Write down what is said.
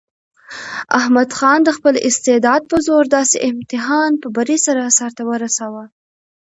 احمد خان د خپل استعداد په زور داسې امتحان په بري سره سرته ورساوه.